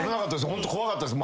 ホント怖かったです。